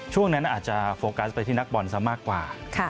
ช่วงนั้นอาจจะโฟกัสไปที่นักบอลซะมากกว่า